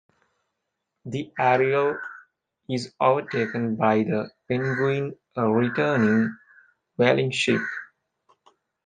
The "Ariel" is overtaken by the "Penguin", a returning whaling ship.